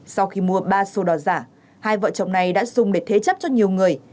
sau khi mua ba số đo giả hai vợ chồng này đã dùng để thế chấp cho nhiều người